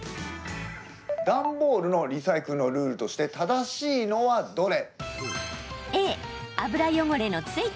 段ボールのリサイクルのルールとして正しいのはどれ？